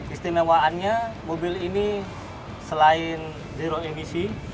istimewaannya mobil ini selain zero emisi